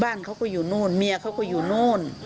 บ้านเขาก็อยู่นู่นเมียเขาก็อยู่โน่น